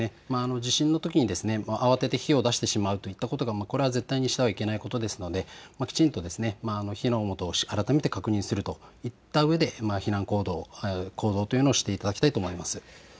地震のときに慌てて火を出してしまうといったこと、これは絶対にしてはいけないことですのできちんと火の元を改めて確認するといったうえで避難行動というのをしていただきたいと思います。